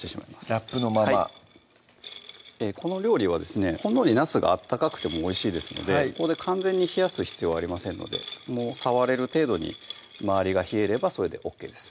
ラップのままはいこの料理はですねほんのりなすが温かくてもおいしいですのでここで完全に冷やす必要はありませんので触れる程度に周りが冷えればそれでＯＫです